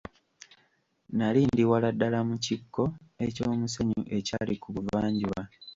Nali ndi wala ddala mu kikko eky'omusenyu ekyali ku buvanjuba.